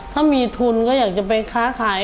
ถ้ามีทุนก็อยากจะไปค้าขาย